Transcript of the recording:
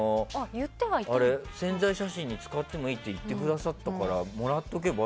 宣材写真に使ってもいいって言ってくださったからもらっとけば？